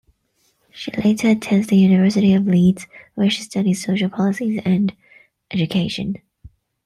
She later attended the University of Leeds where she studied Social Policy and Education.